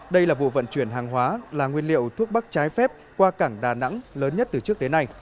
đây là vụ vận chuyển hàng hóa là nguyên liệu thuốc bắc trái phép qua cảng đà nẵng lớn nhất từ trước đến nay